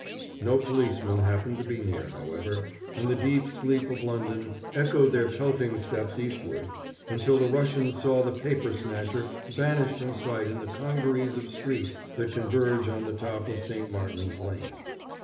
No policeman happened to be near, however, and the deep sleep of London echoed their pelting steps eastward, until the Russian saw the paper snatcher vanish from sight in the congeries of streets that converge on the top of St. Martin's Lane.